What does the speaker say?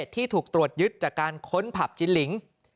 ที่ถูกตรวจยึดจากการค้นผับจินลิง